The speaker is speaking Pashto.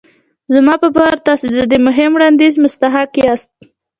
زموږ په باور تاسې د دې مهم وړانديز مستحق ياست.